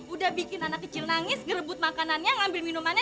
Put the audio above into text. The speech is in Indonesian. udah bikin anak kecil nangis ngerebut makanannya ngambil minumannya